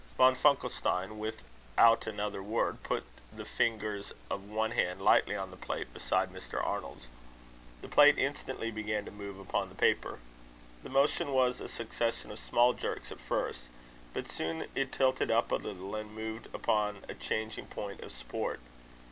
Von Funkelstein, without another word, put the fingers of one hand lightly on the plate beside Mr. Arnold's. The plate instantly began to move upon the paper. The motion was a succession of small jerks at first; but soon it tilted up a little, and moved upon a changing point of support.